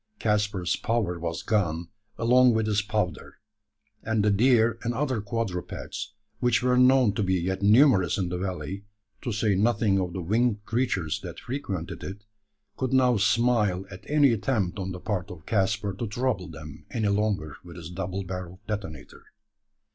Caspar's power was gone along with his powder; and the deer and other quadrupeds, which were known to be yet numerous in the valley to say nothing of the winged creatures that frequented it, could now smile at any attempt on the part of Caspar to trouble them any longer with his double barrelled detonator.